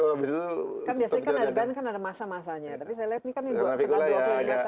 kan biasanya kan ada masa masanya tapi saya lihat kan ini kan sudah dua tiga tahun